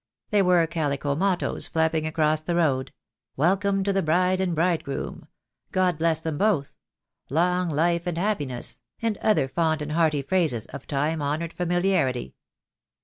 There were calico mottoes flapping across the road — "Welcome to the Bride and Bride groom," "God Bless Them Both," "Long Life and Happi ness," and other fond and hearty phrases of time honoured familiarity.